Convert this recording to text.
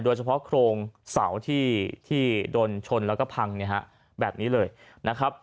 โดยเฉพาะโครงเสาที่โดนชนแล้วก็พังแบบนี้เลยนะครับ